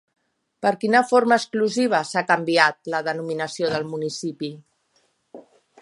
Per quina forma exclusiva s'ha canviat la denominació del municipi?